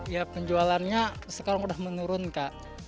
ya penjualannya sekarang udah menurun kak